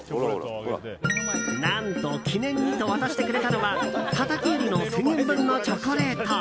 何と、記念にと渡してくれたのはたたき売りの１０００円分のチョコレート。